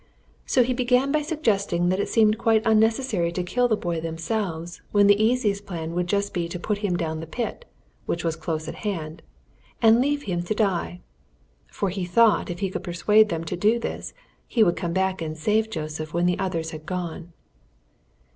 So he began by suggesting that it seemed quite unnecessary to kill the boy themselves when the easiest plan would be just to put him down the pit, which was close at hand, and there leave him to die. (For he thought if he could persuade them to do this he would come back and save Joseph when the others had gone.)